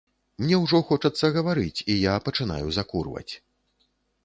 Мне ўжо хочацца гаварыць, і я пачынаю закурваць.